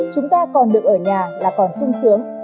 chúng ta còn được ở nhà là còn sung sướng